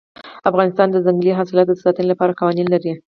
افغانستان د ځنګلي حاصلاتو د ساتنې لپاره قوانین لري.